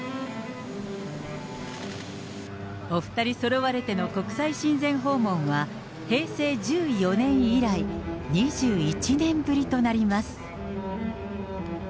お２人そろわれての国際親善訪問は、平成１４年以来、２１年ぶりとなります。